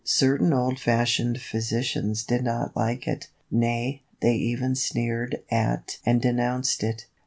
Certain old fashioned physicians did not like it. Nay, they even sneered at and denounced it.